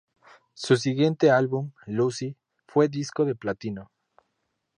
Su siguiente álbum, "Lucy", fue disco de platino.